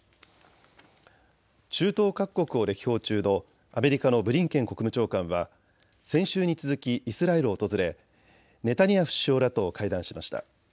中東各国を歴訪中のアメリカのブリンケン国務長官は先週に続きイスラエルを訪れネタニヤフ首相らと会談しました。